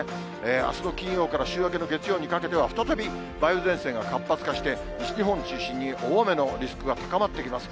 あすの金曜から週明けの月曜にかけては再び梅雨前線が活発化して、西日本を中心に大雨のリスクが高まっています。